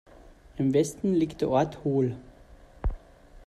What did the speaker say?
Im Westen liegt der Ort Hohl.